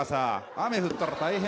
雨降ったら大変。